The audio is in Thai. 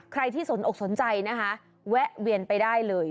ใครที่สนอกสนใจนะคะแวะเวียนไปได้เลย